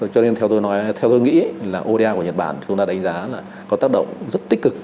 cho nên theo tôi nghĩ là oda của nhật bản chúng ta đánh giá là có tác động rất tích cực